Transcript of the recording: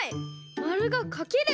まるがかける！